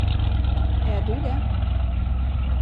Är du det?